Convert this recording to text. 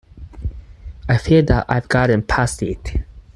I feel that I've gotten past it.